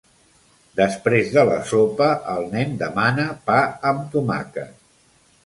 Després de la sopa el nen demana pa amb tomàquet.